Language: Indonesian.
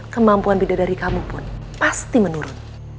kemampuan bidadari kamu pun pasti menurun